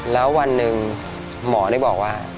แล้ววันหนึ่งหมอได้บอกว่า